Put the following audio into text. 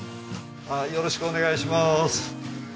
よろしくお願いします。